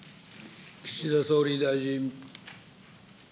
岸田総理大臣。